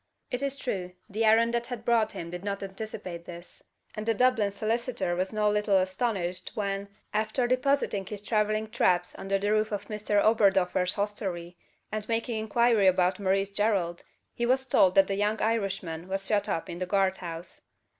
It is true, the errand that had brought him did not anticipate this; and the Dublin solicitor was no little astonished when, after depositing his travelling traps under the roof of Mr Oberdoffer's hostelry, and making inquiry about Maurice Gerald, he was told that the young Irishman was shut up in the guard house.